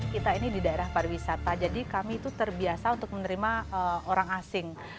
kita ini di daerah pariwisata jadi kami itu terbiasa untuk menerima orang asing